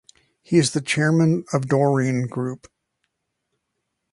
He is the Chairman of Doreen Group.